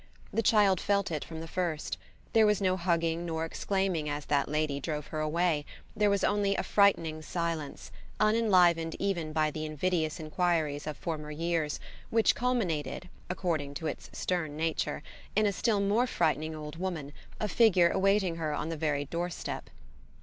The child felt it from the first; there was no hugging nor exclaiming as that lady drove her away there was only a frightening silence, unenlivened even by the invidious enquiries of former years, which culminated, according to its stern nature, in a still more frightening old woman, a figure awaiting her on the very doorstep.